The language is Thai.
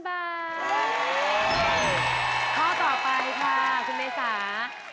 ข้อต่อไปค่ะคุณเมษา